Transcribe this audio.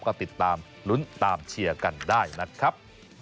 ก็ติดตามลุ้นตามเชียร์กันได้นะครับ